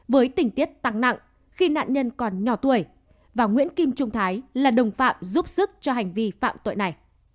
với tỉnh tiết tăng nặng khi nạn nhân còn nhỏ tuổi và nguyễn kim trung thái là đồng phạm giúp sức cho hành vi phạm tội này